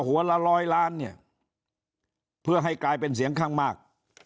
หัวละร้อยล้านเนี่ยเพื่อให้กลายเป็นเสียงข้างมาก